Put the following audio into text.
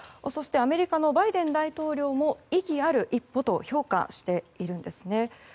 そしてアメリカのバイデン大統領も意義ある一歩と評価しているんですね。